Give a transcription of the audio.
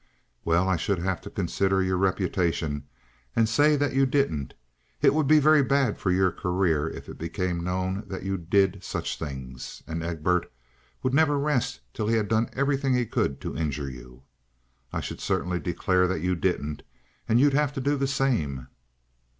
"Well, I should have to consider your reputation and say that you didn't. It would be very bad for your career if it became known that you did such things, and Egbert would never rest till he had done everything he could do to injure you. I should certainly declare that you didn't, and you'd have to do the same."